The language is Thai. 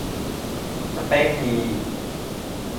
สเป็กดี